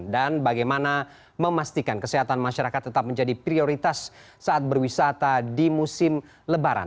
dan bagaimana memastikan kesehatan masyarakat tetap menjadi prioritas saat berwisata di musim lebaran